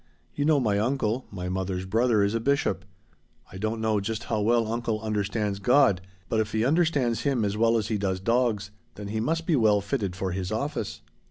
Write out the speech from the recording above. You know my uncle my mother's brother is a bishop. I don't know just how well uncle understands God, but if he understands Him as well as he does dogs then he must be well fitted for his office.